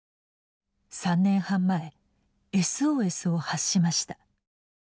３年半前ＳＯＳを発しました。